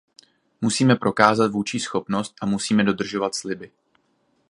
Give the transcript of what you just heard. Musíme prokázat vůdčí schopnost a musíme dodržovat sliby.